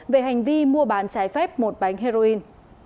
về hành vi mua bán trái phép một bánh heroin